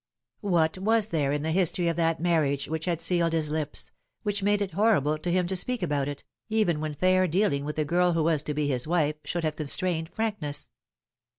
What was there in the history of that marriage which had sealed his lips, which made it horrible to him to speak about it, even when fair dealing with the girl who was to be his wife should have constrained frankness